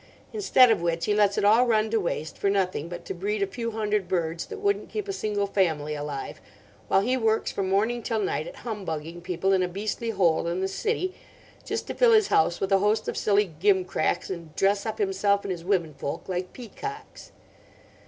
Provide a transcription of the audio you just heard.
Instead of which he lets it all run to waste for nothing but to breed a few hundred birds that wouldn't keep a single family alive; while he works from morning till night at humbugging people in a beastly hole in the City, just to fill his house with a host of silly gim cracks and dress up himself and his women folk like peacocks.